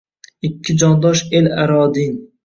Ikki jondosh el aro din